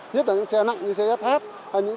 nhất là những xe nặng như xe s h